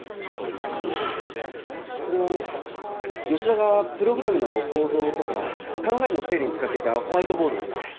あぁそれは吉田がプログラムの構造とか考えの整理に使っていたホワイトボードです。